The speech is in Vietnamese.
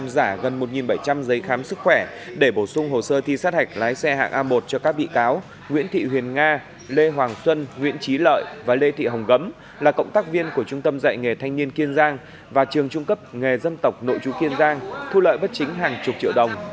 giấy khám sức khỏe để bổ sung hồ sơ thi sát hạch lái xe hạng a một cho các bị cáo nguyễn thị huyền nga lê hoàng xuân nguyễn trí lợi và lê thị hồng gấm là cộng tác viên của trung tâm dạy nghề thanh niên kiên giang và trường trung cấp nghề dân tộc nội chú kiên giang thu lợi bất chính hàng chục triệu đồng